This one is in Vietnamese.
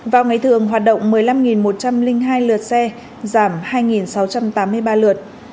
vào ngày thường hoạt động một mươi năm một trăm linh hai lượt xe giảm hai sáu trăm tám mươi ba lượt